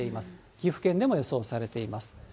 岐阜県でも予想されております。